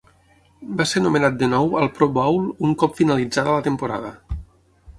Va ser nomenat de nou al Pro Bowl un cop finalitzada la temporada.